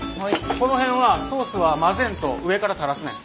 この辺はソースは混ぜんと上からたらすねん。